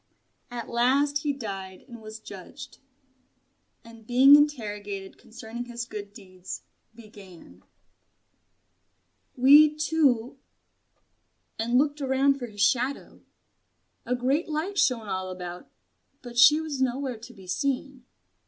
And at last he died and was judged: and being interrogated concerning his good deeds, began "We two " and looked around for his shadow. A great light shone all about; but she was nowhere to be seen.